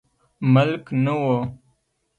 ملک نه و.